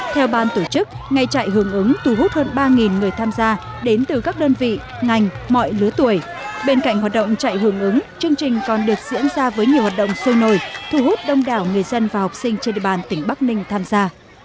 theo ban tổ chức ngày chạy hưởng ứng thu hút hơn ba người tham gia đến từ các đơn vị ngành mọi lứa tuổi bên cạnh hoạt động chạy hưởng ứng chương trình còn được diễn ra với nhiều hoạt động sôi nổi thu hút đông đảo người dân và học sinh trên địa bàn tỉnh bắc ninh tham gia